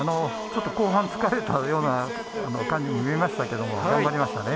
ちょっと後半疲れたような感じも見えましたけども頑張りましたね。